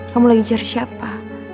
kamu lagi cari siapa